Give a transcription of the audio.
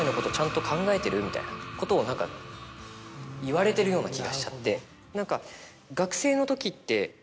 みたいなことを言われてるような気がしちゃって。